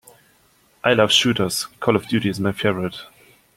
I love shooters, Call of Duty is my favorite.